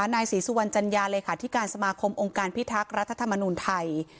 นายศรีสุวรรณจัญญาเลขาธิการสมาคมองค์การพิทักษ์รัฐธรรมนูลไทย